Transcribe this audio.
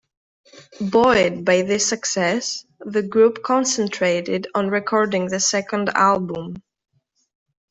Buoyed by this success, the group concentrated on recording the second album.